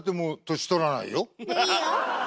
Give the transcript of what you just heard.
いいよ。